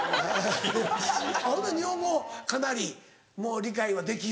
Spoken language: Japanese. ほな日本語かなりもう理解はできる？